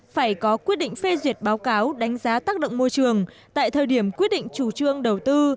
phải có quyết định phê duyệt báo cáo đánh giá tác động môi trường tại thời điểm quyết định chủ trương đầu tư